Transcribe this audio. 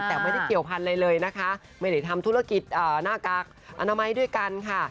แต่ไม่ได้เกี่ยวพันธุ์อะไรเลยนะคะไม่ได้ทำธุรกิจหน้ากากอนามัยด้วยกันค่ะ